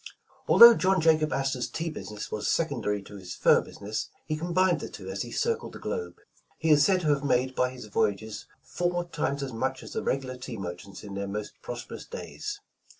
Although John Jacob Astor's tea business was sec ondary to his fur business, he combined the two as he circled the globe. He is said to have made by his voy ages, "four times as much as the regular tea mer chants in their most prosperous days.